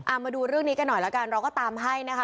เอามาดูเรื่องนี้กันหน่อยแล้วกันเราก็ตามให้นะคะ